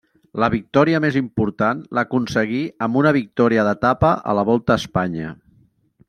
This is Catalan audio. La victòria més important l'aconseguí amb una victòria d'etapa a la Volta a Espanya.